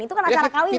itu kan acara kawinan